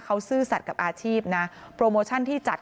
เขาซื่อสัตว์กับอาชีพนะโปรโมชั่นที่จัด